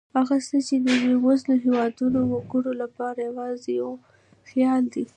هغه څه چې د بېوزلو هېوادونو وګړو لپاره یوازې یو خیال دی.